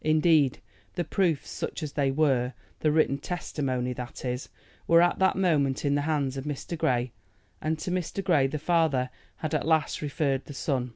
Indeed, the proofs, such as they were, the written testimony, that is, were at that moment in the hands of Mr. Grey, and to Mr. Grey the father had at last referred the son.